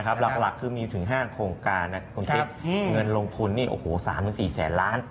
หลักคือมีอยู่ถึงห้างโครงการคุณปิ๊กเงินลงทุนนี่๓๔แสนล้าน